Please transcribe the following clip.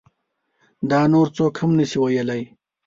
دا نور څوک هم نشي ویلی.